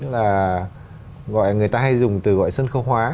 tức là người ta hay dùng từ gọi sân khấu hóa